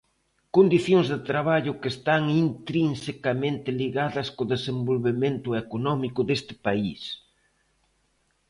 Condicións de traballo que están intrinsecamente ligadas co desenvolvemento económico deste país.